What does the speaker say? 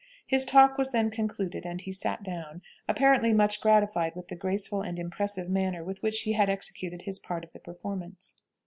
His talk was then concluded, and he sat down, apparently much gratified with the graceful and impressive manner with which he had executed his part of the performance.